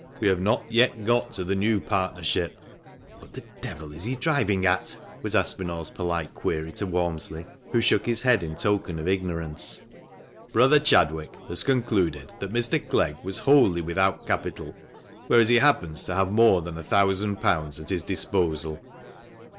We have not yet got to the new partnership." ("What the d 1 is he driving at?" was Aspinall's polite query to Walmsley, who shook his head in token of ignorance.) "Brother Chadwick had concluded that Mr. Clegg was wholly without capital, whereas he happens to have more than a thousand pounds at his disposal."